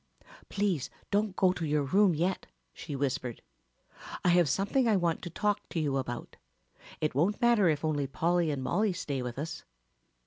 "Please don't go to your room yet," she whispered, "I have something I want to talk to you about. It won't matter if only Polly and Mollie stay with us."